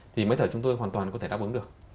thì mới thở chúng tôi hoàn toàn có thể đáp ứng được